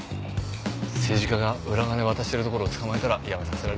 政治家が裏金渡してるところを捕まえたら辞めさせられました。